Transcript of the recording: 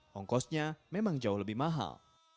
hongkosnya memang jauh lebih mahal